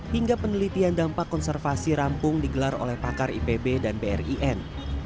hingga penelitian dampak konservasi rampung digelar oleh pakar ipb dan brin